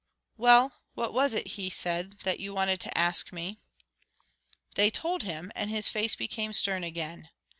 "Well, what was it," he said, "that you wanted to ask me?" They told him, and his face became stern again.